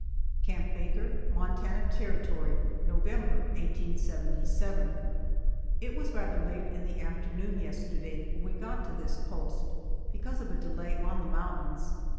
CAMP BAKER, MONTANA TERRITORY, November, 1877. IT was rather late in the afternoon yesterday when we got to this post, because of a delay on the mountains.